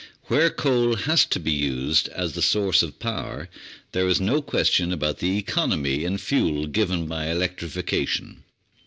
Where coal has to be used as the source of power there is no question about the economy in fuel given by electrification.